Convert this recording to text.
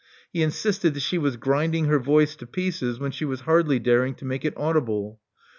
He insisted that s grinding her voice to pieces when she was daring to make it audible.